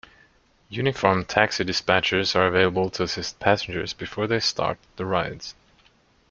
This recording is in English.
Uniformed taxi dispatchers are available to assist passengers before they start the rides.